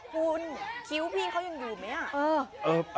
คุณคิ้วพี่เขายังอยู่ไหม